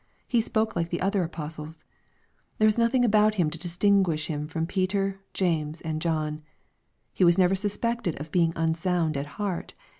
He spoke like the other apostles. There was nothing about him to distinguish him from Peter, James, and John. He was never suspected of being unsound at heart.